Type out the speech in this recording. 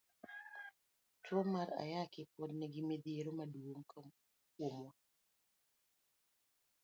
Tuo mara ayaki pod nigi mithiero maduong' kuomwa.